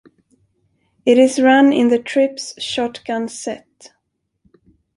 It is run in the trips shotgun set.